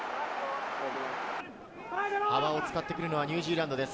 使ってくるのはニュージーランドです。